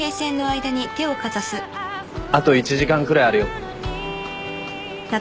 あと１時間くらいあるよ。